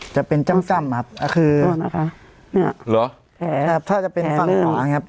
จะเป็นจ้ำจ้ำครับคือนี่หรอแผลถ้าจะเป็นฟั่งขวาอย่างเงี้ย